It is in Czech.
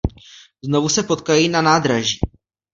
Znovu se potkají na nádraží.